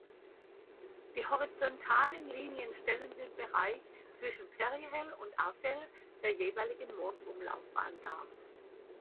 Die horizontalen Linien stellen den Bereich zwischen Perihel und Aphel der jeweiligen Mondumlaufbahn dar.